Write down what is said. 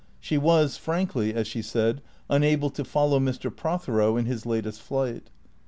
She was frankly, as she said, unable to follow Mr. Prothero in his latest flight.